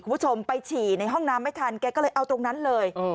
คุณผู้ชมไปฉี่ในห้องน้ำไม่ทันแกก็เลยเอาตรงนั้นเลย